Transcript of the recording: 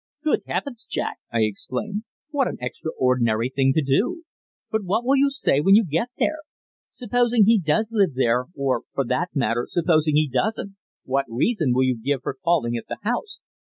"Good heavens, Jack!" I exclaimed, "what an extraordinary thing to do. But what will you say when you get there? Supposing he does live there or, for that matter, supposing he doesn't what reason will you give for calling at the house?"